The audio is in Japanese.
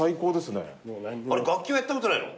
楽器はやったことないの？